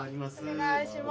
お願いします。